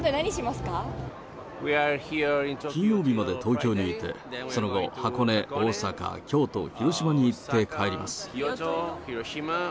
金曜日まで東京にいて、その後、箱根、大阪、京都、広島に行って帰ります。